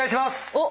おっ！